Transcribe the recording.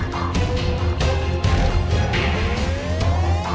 mama punya rencana